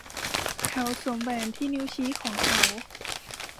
เขาสวมแหวนที่นิ้วชี้ของเขา